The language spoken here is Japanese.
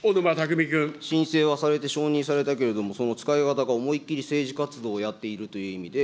申請はされて、承認されたけれども、その使い方が思いっきり政治活動をやっているという意味で、